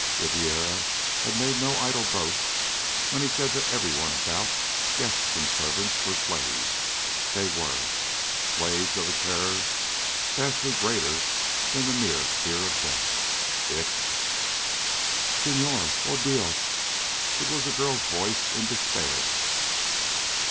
Ribiera had made no idle boast when he said that everyone about, guests and servants, were slaves. They were. Slaves of a terror vastly greater than mere fear of death. It "Senhor!... Oh, Dios!" It was the girl's voice, in despair.